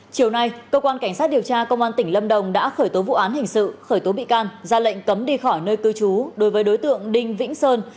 chiều nay cơ quan cảnh sát điều tra công an tỉnh lâm đồng đã khởi tố vụ án hình sự khởi tố bị can ra lệnh cấm đi khỏi nơi cư trú đối với đối tượng đinh vĩnh sơn